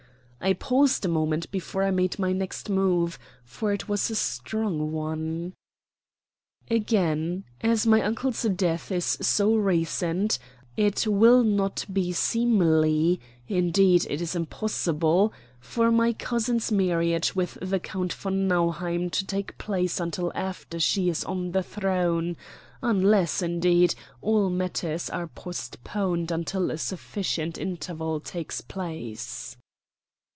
I paused a moment before I made my next move, for it was a strong one. "Again, as my uncle's death is so recent, it will not be seemly indeed, it is impossible for my cousin's marriage with the Count von Nauheim to take place until after she is on the throne unless, indeed, all matters are postponed until a sufficient interval takes place."